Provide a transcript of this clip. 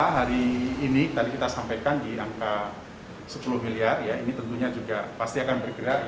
hari ini tadi kita sampaikan di angka sepuluh miliar ya ini tentunya juga pasti akan bergerak